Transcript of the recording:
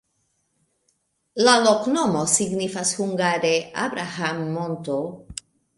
La loknomo signifas hungare: Abraham-monto.